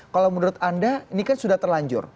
kalau menurut anda ini kan sudah terlanjur